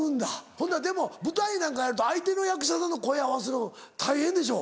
ほなでも舞台なんかやると相手の役者さんと声合わすの大変でしょ。